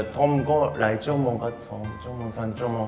ท่อมก็หลายชั่วโมงก็๒ชั่วโมง๓ชั่วโมง